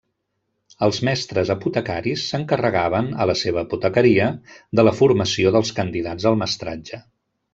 Els mestres apotecaris s'encarregaven, a la seva apotecaria, de la formació dels candidats al mestratge.